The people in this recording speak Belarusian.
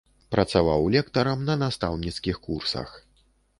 Працаваў лектарам на настаўніцкіх курсах.